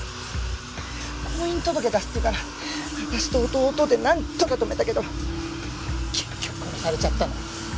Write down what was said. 婚姻届出すっていうから私と弟でなんとか止めたけど結局殺されちゃったの。